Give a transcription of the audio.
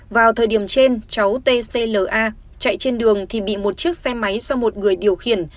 vào thời điểm trên cháu t c l a chạy trên đường thì bị một chiếc xe máy do một người điều khiển